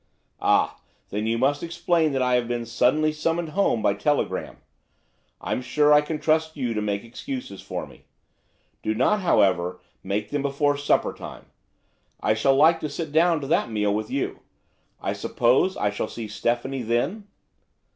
"Ah, then you must explain that I have been suddenly summoned home by telegram. I'm sure I can trust you to make excuses for me. Do not, however, make them before supper time. I shall like to sit down to that meal with you. I suppose I shall see Stephanie then?"